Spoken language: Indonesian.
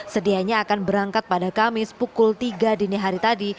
sedianya akan berangkat pada kamis pukul tiga dini hari tadi